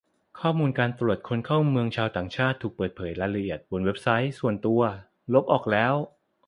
ข้อมูลการตรวจคนเข้าเมืองชาวต่างชาติถูกเปิดเผยรายละเอียดบนเว็บส่วนตัว ลบออกแล้ว